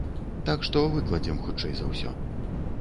Так што выкладзем, хутчэй за ўсё.